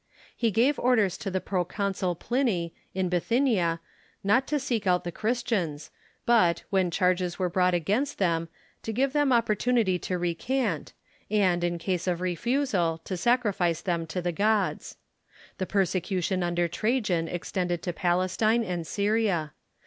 He gave orders to the Proconsul Pliny, in Bithynia, not to seek out the Christians, New Perse ^^^^ when charges Avere brought against them, to cutions '"^. give them opportunity to recant, and, in case of re fusal, to sacrifice them to the gods. The persecution under iNajan extended to Palestine and Syria.